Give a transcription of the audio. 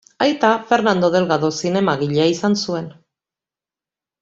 Aita Fernando Delgado zinemagilea izan zuen.